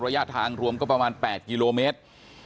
ระยะทางรวมก็ประมาณ๘กิโลเมตร